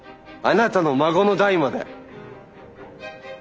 あなたの孫の代まで。